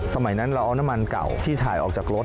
สมัยนั้นเราเอาน้ำมันเก่าที่ถ่ายออกจากรถ